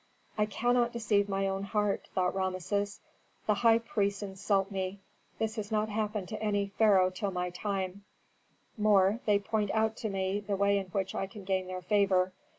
"I cannot deceive my own heart," thought Rameses. "The high priests insult me; this has not happened to any pharaoh till my time; more, they point out to me the way in which I can gain their favor.